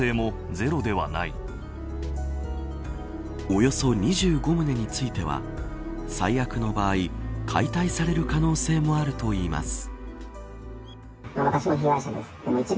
およそ２５棟については最悪の場合、解体される可能性もあるといいます。